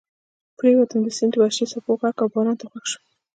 پرېوتم، د سیند د وحشي څپو غږ او باران ته غوږ شوم.